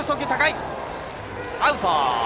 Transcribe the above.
アウト。